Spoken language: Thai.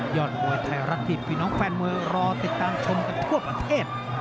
อดมวยไทยรัฐที่พี่น้องแฟนมวยรอติดตามชมกันทั่วประเทศ